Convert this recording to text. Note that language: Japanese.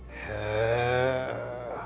へえ。